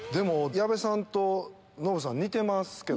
矢部さんとノブさん似てますけど。